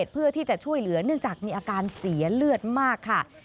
เพื่อที่จะช่วยเหลือเนื่องจากมีอาการเสียเลือดมากค่ะ